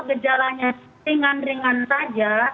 gejalanya ringan ringan saja